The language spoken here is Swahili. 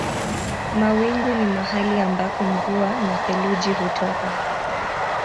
Mawingu ni mahali ambako mvua na theluji hutoka.